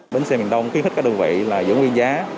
bến sơn điền đông khuyến khích các đơn vị giữ nguyên giá